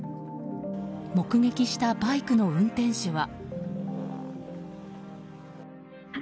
目撃したバイクの運転手は。